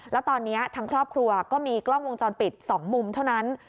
แล้วตอนนี้ทางครอบครัวก็มีกล้องวงจรปิด๒มุมเท่านั้น